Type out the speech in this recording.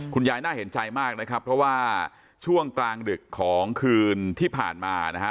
น่าเห็นใจมากนะครับเพราะว่าช่วงกลางดึกของคืนที่ผ่านมานะฮะ